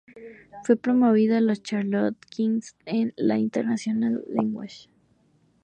Fue promovido a los Charlotte Knights en la International League.